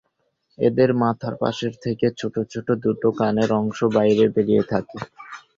এদের মাথার পাশের থেকে ছোটো ছোটো দুটো কানের অংশ বাইরে বেরিয়ে থাকে।